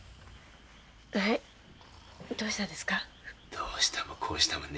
どうしたもこうしたもねえよ。